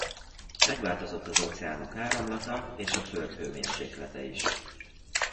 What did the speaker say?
Megváltozott az óceánok áramlata és a Föld hőmérséklete is.